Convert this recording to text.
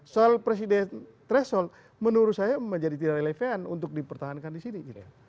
soal presiden threshold menurut saya menjadi tidak relevan untuk dipertahankan di sini